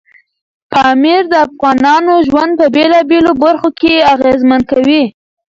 پامیر د افغانانو ژوند په بېلابېلو برخو کې اغېزمن کوي.